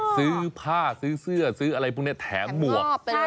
ซื้อผ้าซื้อเสื้อซื้ออะไรพวกนี้แถมหมวก